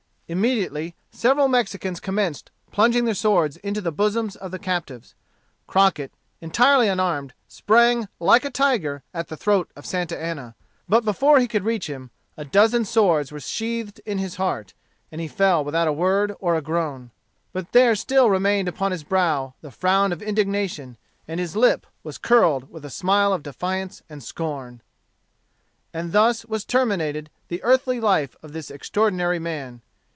Immediately several Mexicans commenced plunging their swords into the bosoms of the captives. Crockett, entirely unarmed, sprang, like a tiger, at the throat of Santa Anna. But before he could reach him, a dozen swords were sheathed in his heart, and he fell without a word or a groan. But there still remained upon his brow the frown of indignation, and his lip was curled with a smile of defiance and scorn. And thus was terminated the earthly life of this extraordinary man.